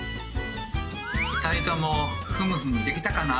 ２人ともふむふむできたかな？